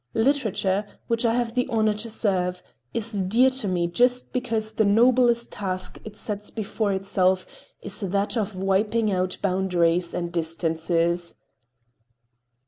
Literature, which I have the honor to serve, is dear to me just because the noblest task it sets before itself is that of wiping out boundaries and distances.